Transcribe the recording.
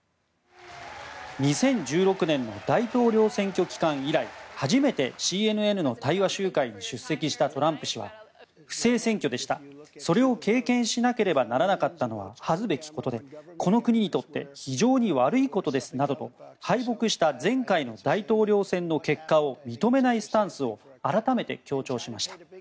２０１６年の大統領選挙期間以来初めてＣＮＮの対話集会に出席したトランプ氏は不正選挙でしたそれを経験しなければならなかったのは恥ずべきことでこの国にとって非常に悪いことですなどと敗北した前回の大統領選の結果を認めないスタンスを改めて強調しました。